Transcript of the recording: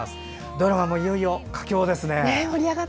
ドラマもいよいよ佳境ですね。